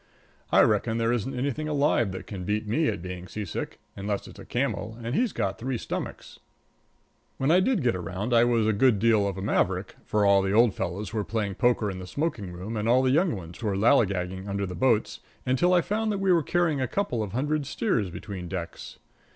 I reckon there isn't anything alive that can beat me at being seasick, unless it's a camel, and he's got three stomachs. When I did get around I was a good deal of a maverick for all the old fellows were playing poker in the smoking room and all the young ones were lallygagging under the boats until I found that we were carrying a couple of hundred steers between decks.